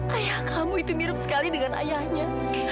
ayah kamu itu mirip sekali dengan ayahnya